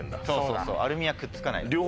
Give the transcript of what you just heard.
そうそうアルミはくっつかない。